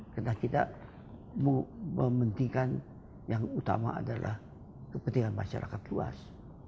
karena kita mementingkan yang utama adalah kepentingan masyarakat luas